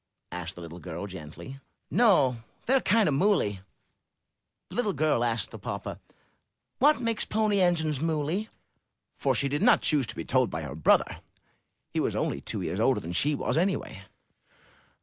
asked the little girl, gently. *'No; they're kind of mooley." The little girl asked the papa. *What makes Pony Engines mooley?" for she did not choose to be told by her brother; he was only two years older than she was, anyway.